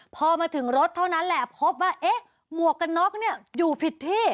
พอมาถึงรถเท่านั้นแหละพบว่าเอ๊ะหมวกกันน็อกเนี่ยอยู่ผิดที่